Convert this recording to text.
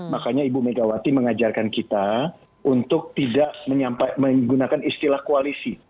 makanya ibu megawati mengajarkan kita untuk tidak menggunakan istilah koalisi